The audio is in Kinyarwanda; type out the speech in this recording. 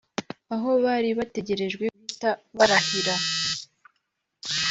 aho bari bategerejwe guhita barahira